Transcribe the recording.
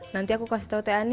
nanti aku kasih tau teh ani